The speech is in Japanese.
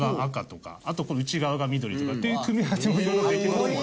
あとこの内側が緑とかっていう組み合わせもできます。